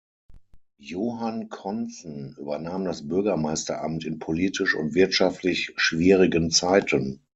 Johann Contzen übernahm das Bürgermeisteramt in politisch und wirtschaftlich schwierigen Zeiten.